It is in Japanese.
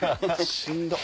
しんどっ！